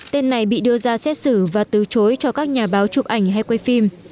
tên này bị đưa ra xét xử và từ chối cho các nhà báo chụp ảnh hay quay phim